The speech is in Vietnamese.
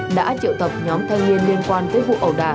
đã triệu tập nhóm thanh niên liên quan với vụ ẩu đá